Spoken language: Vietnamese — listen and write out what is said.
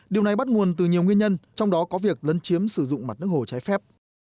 điều này bắt nguồn từ nhiều nguyên nhân trong đó có việc lấn chiếm sử dụng mặt nước hồ trái phép